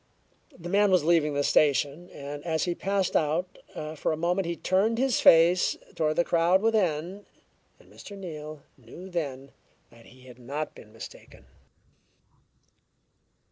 The man was leaving the station, and as he passed out, for a moment he turned his face toward the crowd within; and Mr. Neal knew then that he had not been mistaken.